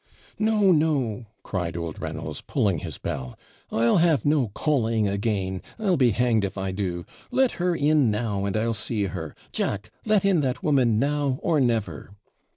'No, no,' cried old Reynolds, pulling his bell; 'I'll have no calling again I'll be hanged if I do! Let her in now, and I'll see her Jack! let in that woman now or never.'